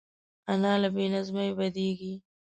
انا له بې نظمۍ بدېږي